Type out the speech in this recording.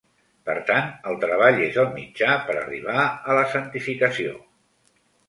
Per tant, el treball és el mitjà per arribar a la santificació.